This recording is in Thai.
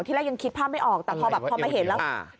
แรกยังคิดภาพไม่ออกแต่พอแบบพอมาเห็นแล้ว